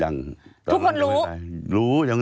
ยังครับยัง